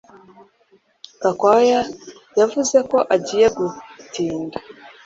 Gakwaya yavuze ko agiye gutinda